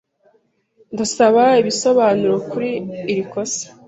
Ndasaba ibisobanuro kuri iri kosa.